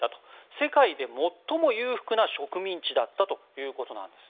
世界で最も裕福な植民地だったということです。